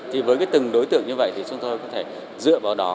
thì với từng đối tượng như vậy thì chúng tôi có thể dựa vào đó